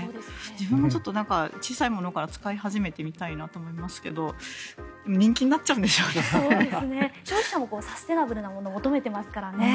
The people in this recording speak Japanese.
自分もちょっと小さいものから使い始めてみたいと思いますが消費者もサステイナブルなものを求めていますからね。